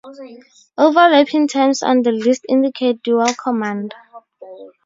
Overlapping terms on the list indicate dual command.